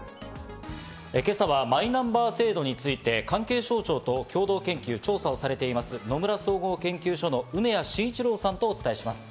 今朝はマイナンバー制度について、関係省庁と共同研究・調査をされています、野村総合研究所の梅屋真一郎さんとお伝えします。